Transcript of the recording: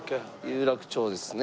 有楽町ですね。